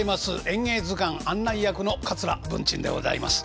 「演芸図鑑」案内役の桂文珍でございます。